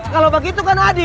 kalau begitu kan adil